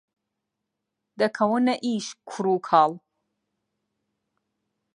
دەکەونە ئیش کوڕ و کاڵ